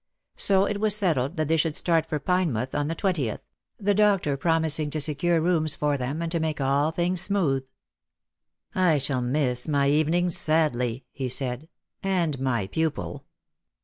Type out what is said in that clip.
So it was settled that they should start for Pinemouth on the twentieth, the doctor promising to secure rooms for them, and to make all things smooth. " I shall miss my evenings sadly," he said, " and my pupil."